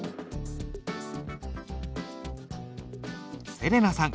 せれなさん。